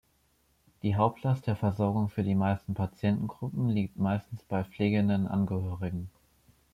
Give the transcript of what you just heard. Die Hauptlast der Versorgung für die meisten Patientengruppen liegt meistens bei pflegenden Angehörigen.